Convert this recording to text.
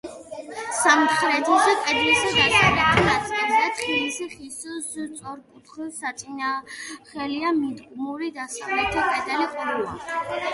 სამხრეთის კედლის დასავლეთ ნაწილზე, თხილის ხის სწორკუთხა საწნახელია მიდგმული, დასავლეთ კედელი ყრუა.